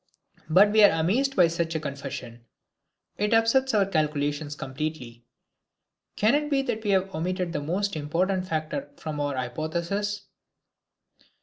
But we are amazed by such a confession; it upsets our calculations completely. Can it be that we have omitted the most important factor from our hypothesis?